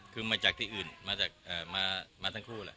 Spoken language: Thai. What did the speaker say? คือมาจากที่อื่นมาทั้งคู่แหละ